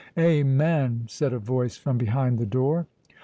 "Amen!" said a voice from behind the door.